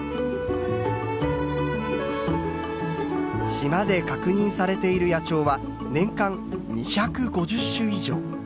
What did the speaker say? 島で確認されている野鳥は年間２５０種以上。